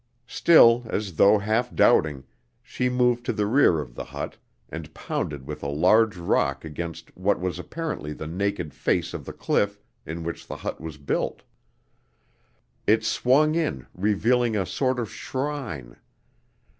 Still, as though half doubting, she moved to the rear of the hut and pounded with a large rock against what was apparently the naked face of the cliff in which the hut was built. It swung in, revealing a sort of shrine.